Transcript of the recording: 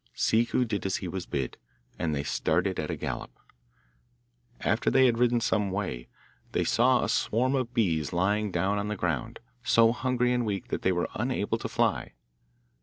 Ciccu did as he was bid, and they started at a gallop. After they had ridden some way, they saw a swarm of bees lying on the ground, so hungry and weak that they were unable to fly.